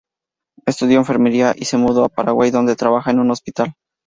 Estudio enfermería y se mudó a Paraguay donde trabaja en un hospital.